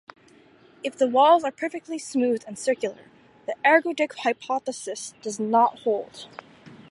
If the walls are perfectly smooth and circular, the ergodic hypothesis does "not" hold.